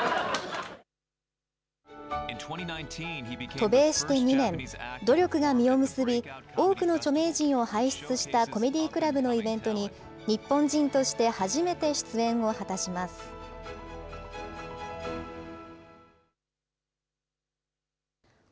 渡米して２年、努力が実を結び、多くの著名人を輩出したコメディークラブのイベントに、日本人として初めて出演を果たします。